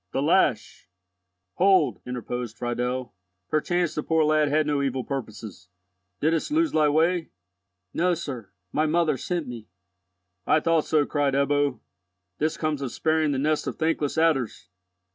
The lash—" "Hold," interposed Friedel. "Perchance the poor lad had no evil purposes. Didst lose thy way?" "No, sir, my mother sent me." "I thought so," cried Ebbo. "This comes of sparing the nest of thankless adders!"